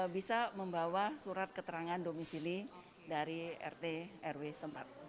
bisa membawa surat keterangan domisili dari rt rw sempat